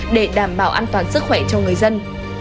để đảm bảo an toàn sức khỏe cho người dân